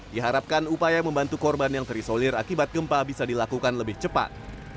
diharapkan upaya membantu korban yang terisolir akibat gempa bisa dilakukan lebih cepat